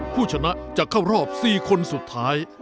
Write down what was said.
ผู้ชนะจะเข้ารอบ๔คนสุดท้าย